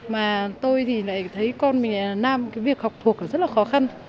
mà tôi thì lại thấy con mình là nam cái việc học thuộc rất là khó khăn